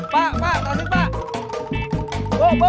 pak pak tasik pak